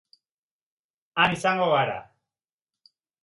Han izango gara